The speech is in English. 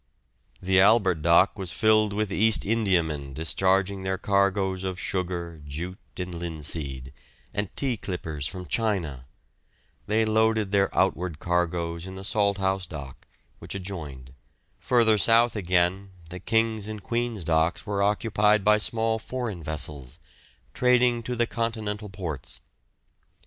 The Albert dock was filled with East Indiamen discharging their cargoes of sugar, jute, and linseed, and tea clippers from China; they loaded their outward cargoes in the Salthouse dock, which adjoined; further south again, the King's and Queen's docks were occupied by small foreign vessels, trading to the continental ports.